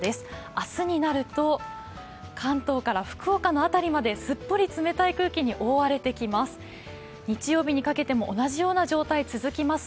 明日になると関東から福岡の辺りまですっぽり冷たい空気に覆われてきます。